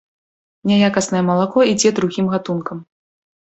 Няякаснае малако ідзе другім гатункам.